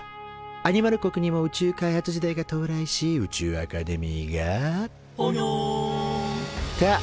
アニマル国にも宇宙開発時代が到来し宇宙アカデミーが「ぽにょん」と誕生。